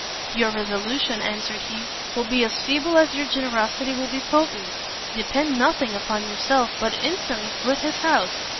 "Your resolution," answered he, "will be as feeble as your generosity will be potent: depend nothing upon yourself, but instantly quit his house.